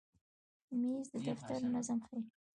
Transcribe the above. مېز د دفتر نظم ښیي.